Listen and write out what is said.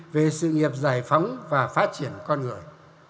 về sự nghiệp giải phóng và phát triển con người